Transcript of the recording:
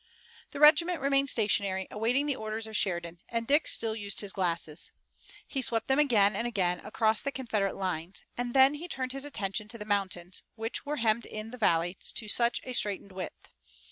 The regiment remained stationary, awaiting the orders of Sheridan, and Dick still used his glasses. He swept them again and again across the Confederate lines, and then he turned his attention to the mountains which here hemmed in the valley to such a straitened width.